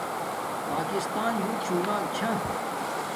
پاکستان بوت شونا چھا